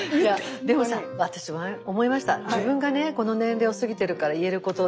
でもさ私思いました。